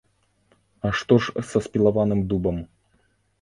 А што ж са спілаваным дубам?